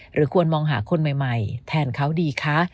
ควรมองหาคนใหม่แทนเขาดีคะ